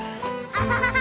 アハハハ！